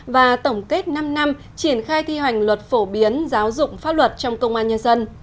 và tổng kết năm năm triển khai thi hành luật phổ biến giáo dục pháp luật trong công an nhân dân